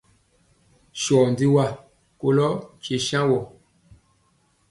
Sɔɔ jwi wa kolɔ nkye saŋ wɔ.